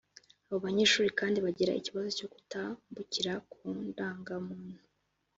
Abo banyeshuri kandi bagira ikibazo cyo kutambukira ku ndangamuntu